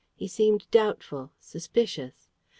He seemed doubtful, suspicious.